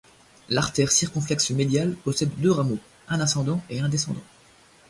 L'artère circonflexe médiale possède deux rameaux, un ascendant et un descendant.